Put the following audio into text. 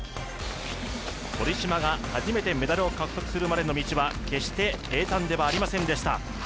堀島が初めてメダルを獲得するまでの道は決して平たんではありませんでした。